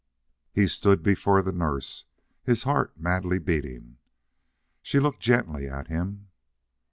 He stood before the nurse, his heart madly beating. She looked gently at him.